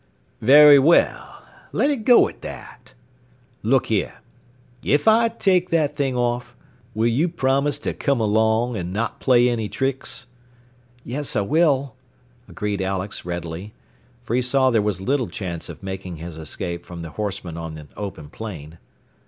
"Very well. Let it go at that. Look here! If I take that thing off, will you promise to come along, and not play any tricks?" "Yes, I will," agreed Alex readily. For he saw there was little chance of making his escape from the horseman on an open plain.